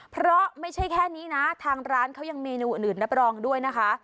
เพราะไม่ใช่แค่นี้นะทางร้านเขายังเมนูอื่นรับรองด้วยนะคะ